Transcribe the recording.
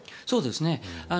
そうですね。